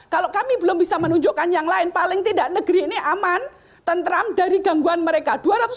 kalau kami belum bisa menunjukkan yang lain paling tidak negeri ini aman tentram dari gangguan mereka